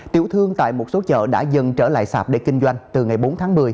tiểu thương tại một số chợ đã dần trở lại sạp để kinh doanh từ ngày bốn tháng một mươi